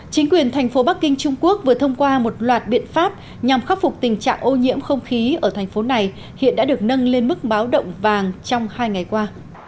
chính quyền thành phố bắc kinh trung quốc vừa thông qua một loạt biện pháp nhằm khắc phục tình trạng ô nhiễm không khí ở thành phố này hiện đã được nâng lên mức báo động vàng trong hai ngày qua